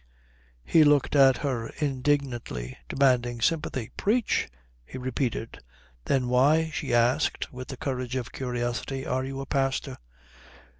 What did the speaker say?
"] He looked at her indignantly, demanding sympathy. "Preach!" he repeated. "Then why," she asked, with the courage of curiosity, "are you a pastor?"